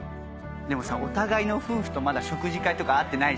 でもさお互いの夫婦とまだ食事会とか会ってないじゃない。